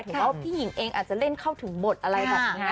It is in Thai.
เห็นว่าพี่หญิงเองอาจจะเล่นเข้าถึงบทอะไรแบบนี้